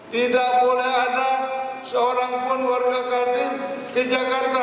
tidak boleh ada seorang pun warga katin ke jakarta